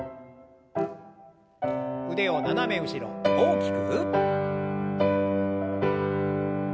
腕を斜め後ろ大きく。